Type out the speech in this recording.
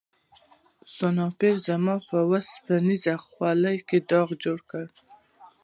سنایپر زما په اوسپنیزه خولۍ کې داغ جوړ کړ